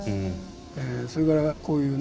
それからこういうね。